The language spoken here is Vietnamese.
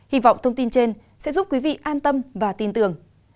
hy vọng thông tin trên sẽ giúp quý vị an tâm và tin tưởng